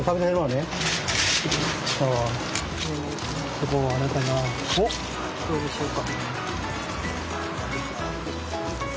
どうでしょうか？